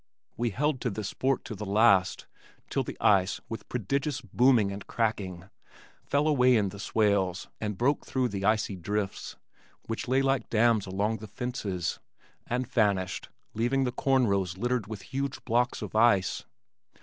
We held to this sport to the last till the ice with prodigious booming and cracking fell away in the swales and broke through the icy drifts (which lay like dams along the fences) and vanished, leaving the corn rows littered with huge blocks of ice.